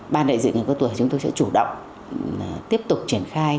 ban đại dự người cao tuổi chúng tôi sẽ chủ động tiếp tục triển khai